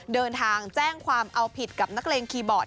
เดินทางแจ้งความเอาผิดกับนักเลงคีย์บอร์ด